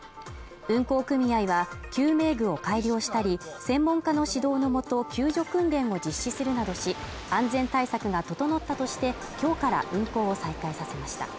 運航組合は救命具を改良したり、専門家の指導のもと救助訓練を実施するなどし、安全対策が整ったとして、今日から運航を再開させました。